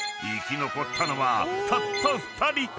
［生き残ったのはたった２人］